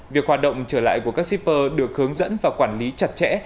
việc hoạt động trở lại của các shipper được hướng dẫn và quản lý chặt chẽ